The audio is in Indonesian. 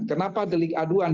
kenapa delik aduan